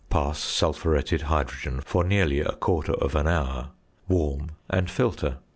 Pass sulphuretted hydrogen for nearly a quarter of an hour; warm, and filter.